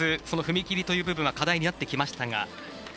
その踏み切りというのは課題となってきましたが。